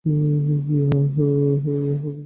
Yeah, Vicco?